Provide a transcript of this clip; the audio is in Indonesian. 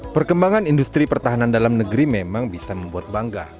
perkembangan industri pertahanan dalam negeri memang bisa membuat bangga